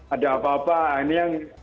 ada apa apa ini yang